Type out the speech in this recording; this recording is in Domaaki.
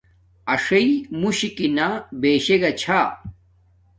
اݽݵ موݽکانہ بشے گا چھا